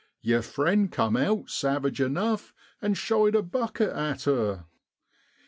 Yer friend cum out savage enuf an' shied a bucket at her.